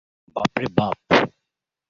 বাপ রে বাপ।